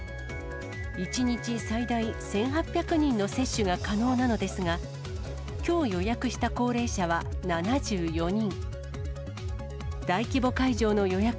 １日最大１８００人の接種が可能なのですが、きょう予約した高齢者は７４人。